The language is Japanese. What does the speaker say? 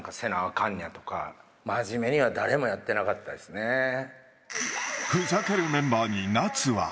かんのやとか、真面目には誰もやってなふざけるメンバーに夏は。